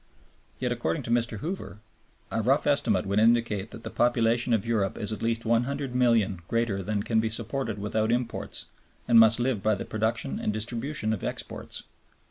Yet, according to Mr. Hoover, "a rough estimate would indicate that the population of Europe is at least 100,000,000 greater than can be supported without imports, and must live by the production and distribution of exports."